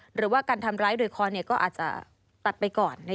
หรือว่าการทำร้ายโดยคอก็อาจจะตัดไปก่อน